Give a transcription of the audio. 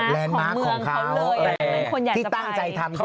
แบบเลนด์มาร์คของเบื้องก็เลยว่าเป็นคนใหญ่ทางไป